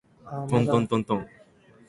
とんとんとんとん